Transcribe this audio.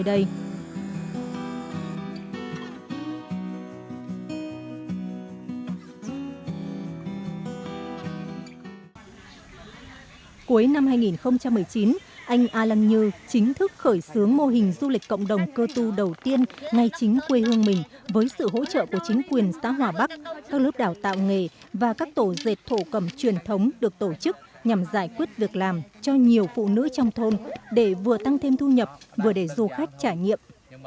anh a lăng như chính thức khởi xướng mô hình du lịch cộng đồng cơ tu đầu tiên ngay chính quê hương mình với sự hỗ trợ của chính quyền xã hòa bắc các lớp đào tạo nghề và các tổ dệt thổ cầm truyền thống được tổ chức nhằm giải quyết việc làm cho nhiều phụ nữ trong thôn để vừa tăng thêm thu nhập vừa để du khách trải nghiệm